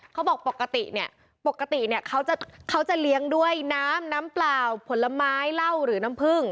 ปกติเนี่ยปกติเนี่ยเขาจะเลี้ยงด้วยน้ำน้ำเปล่าผลไม้เหล้าหรือน้ำผึ้ง